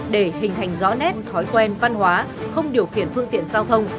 để hình thành rõ nét thói quen văn hóa không điều khiển phương tiện giao thông